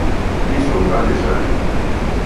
Lírzòŋɡá lìrzàlì.